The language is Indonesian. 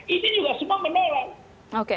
ini juga semua menolak